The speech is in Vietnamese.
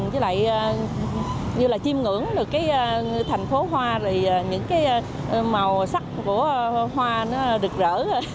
chứ lại như là chim ngưỡng được thành phố hoa những màu sắc của hoa nó được rỡ